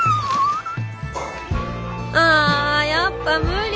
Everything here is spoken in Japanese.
ああやっぱ無理！